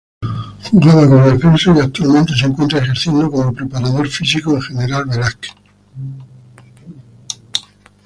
Jugaba como defensa y actualmente se encuentra ejerciendo como preparador físico en General Velásquez.